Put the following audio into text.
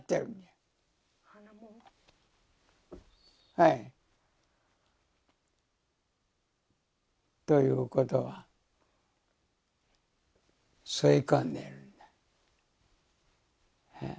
はいということは吸い込んでるんだえっ